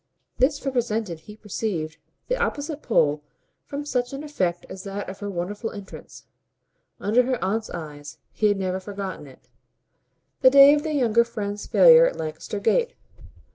This represented, he perceived, the opposite pole from such an effect as that of her wonderful entrance, under her aunt's eyes he had never forgotten it the day of their younger friend's failure at Lancaster Gate.